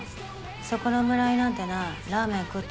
そこの村井なんてなラーメン食った